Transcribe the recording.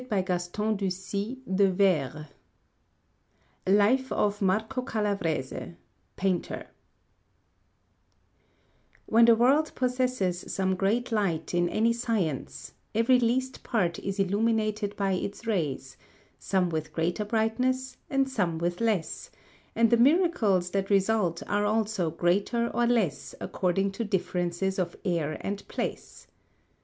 MARCO CALAVRESE LIFE OF MARCO CALAVRESE PAINTER When the world possesses some great light in any science, every least part is illuminated by its rays, some with greater brightness and some with less; and the miracles that result are also greater or less according to differences of air and place.